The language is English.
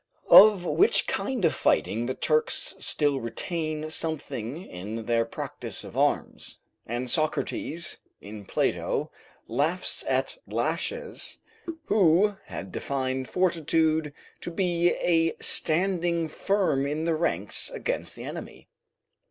Of which kind of fighting the Turks still retain something in their practice of arms; and Socrates, in Plato, laughs at Laches, who had defined fortitude to be a standing firm in the ranks against the enemy.